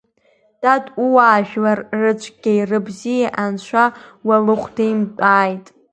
Дад, ууаажәлар рыцәгьеи-рыбзиеи Анцәа уалыхәдеимтәааит.